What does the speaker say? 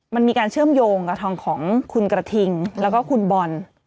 มันมีการเชื่อมโยงกับทองของคุณกระทิงแล้วก็คุณบอล